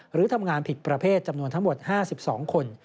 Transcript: หรือทำงานผิดประเภทจำนวนทั้งหมด๕๒คน